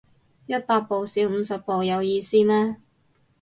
一百步笑五十步有意思咩